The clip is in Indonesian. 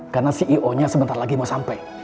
karena ceo nya sebentar lagi mau sampai